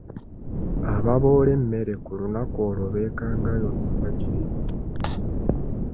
Ababoola emmere ku lunaku olwo beekanga yonna bagiridde.